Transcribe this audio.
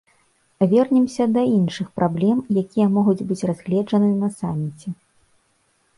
Вернемся да іншых праблем, якія могуць быць разгледжаны на саміце.